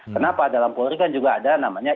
kenapa dalam polri kan juga ada namanya